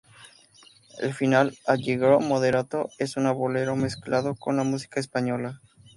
El final, "allegro moderato", es un "bolero" mezclado con la música española.